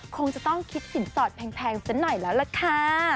คงจะต้องคิดสินสอดแพงสักหน่อยแล้วล่ะค่ะ